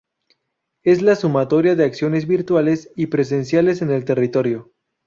Es la sumatoria de acciones virtuales y presenciales en el territorio.